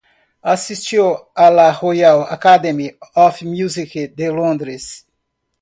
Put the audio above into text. Asistió a la Royal Academy of Music de Londres.